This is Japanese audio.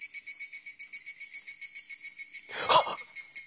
はっ！